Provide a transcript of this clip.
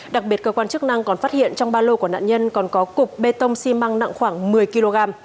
đặc biệt cơ quan chức năng còn phát hiện trong ba lô của nạn nhân còn có cục bê tông xi măng nặng khoảng một mươi kg